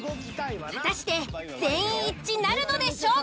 果たして全員一致なるのでしょうか？